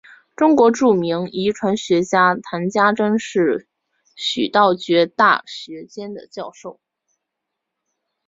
中国著名遗传学家谈家桢是徐道觉大学期间的教授。